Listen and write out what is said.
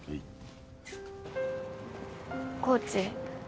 コーチ。